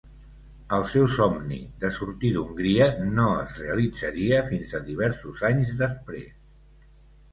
El seu somni de sortir d'Hongria no es realitzaria fins a diversos anys després.